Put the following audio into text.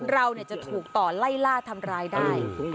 เราจะถูกต่อไล่ล่าทำร้ายได้